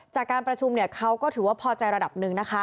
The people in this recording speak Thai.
จากการประชุมเนี่ยเขาก็ถือว่าพอใจระดับหนึ่งนะคะ